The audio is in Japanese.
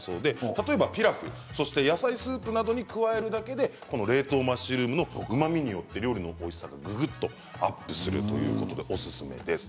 例えばピラフや野菜スープに加えるだけで冷凍マッシュルームのうまみによって料理のおいしさがぐぐっとアップするということでおすすめです。